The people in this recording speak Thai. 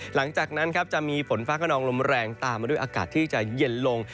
หลังจากนั้นครับจะมีฝนฟ้ากระนองลมแรงตามมาด้วยอากาศที่จะเย็นลง